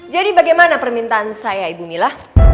jadi bagaimana permintaan saya ibu mila